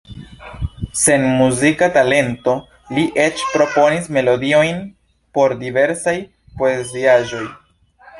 Sen muzika talento li eĉ proponis melodiojn por diversaj poeziaĵoj.